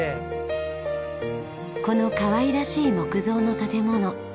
このかわいらしい木造の建物